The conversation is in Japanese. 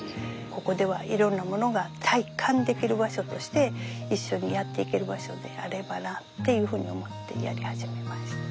ここではいろんなものが体感できる場所として一緒にやっていける場所であればなっていうふうに思ってやり始めました。